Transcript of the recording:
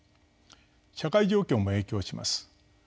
社会状況も影響します。